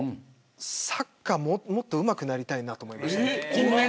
サッカーもっとうまくなりたいと思いました。